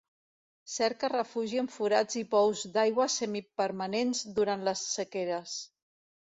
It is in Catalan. Cerca refugi en forats i pous d'aigua semipermanents durant les sequeres.